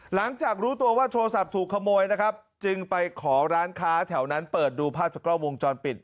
หลังจากรู้ตัวว่าโทรศัพท์ถูกขโมยนะครับจึงไปขอร้านค้าแถวนั้นเปิดดูภาพจากกล้องวงจรปิด